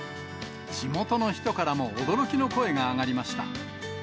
地元の人からも驚きの声が上がりました。